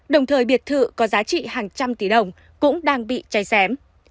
đồng thời biệt thự có giá trị hàng trăm tỷ đồng cũng đang bị cháy xém